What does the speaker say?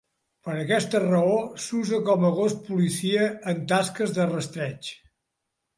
Per aquesta raó s'usa com a gos policia en tasques de rastreig.